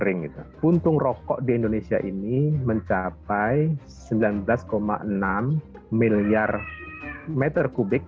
lingkungan di indonesia tersebut